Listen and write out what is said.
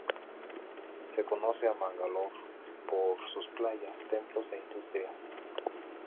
Se conoce a Mangalore por sus playas, templos e industrias.